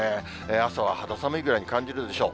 朝は肌寒いくらいに感じるでしょう。